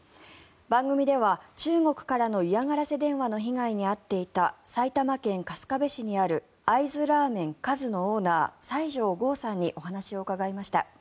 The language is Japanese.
番組では中国からの嫌がらせ電話の被害に遭っていた埼玉県春日部市にある会津ラーメン和のオーナー西條剛さんにお話を伺いました。